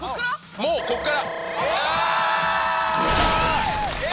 もうここから。